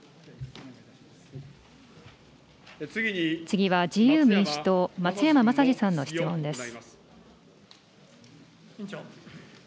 次は自由民主党、松山政司さんの質問です。